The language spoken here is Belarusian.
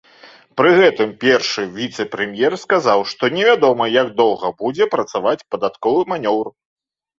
Пры гэтым першы віцэ-прэм'ер сказаў, што невядома, як доўга будзе працаваць падатковы манеўр.